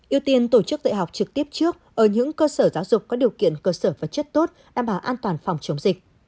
ưu tiên tổ chức dạy học trực tiếp trước ở những cơ sở giáo dục có điều kiện cơ sở vật chất tốt đảm bảo an toàn phòng chống dịch